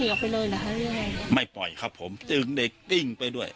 เหลือไปเลยนะครับไม่ปล่อยครับผมจึงเด็กติ้งไปด้วย